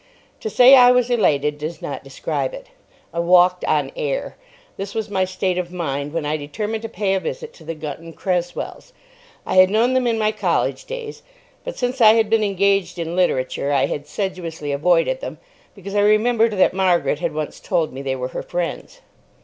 To say I was elated does not describe it. I walked on air. This was my state of mind when I determined to pay a visit to the Gunton Cresswells. I had known them in my college days, but since I had been engaged in literature I had sedulously avoided them because I remembered that Margaret had once told me they were her friends.